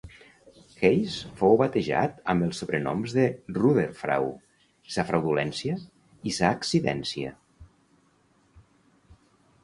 Hayes fou batejat amb els sobrenoms de "Rutherfrau", "Sa Fraudulència" i "Sa Accidència".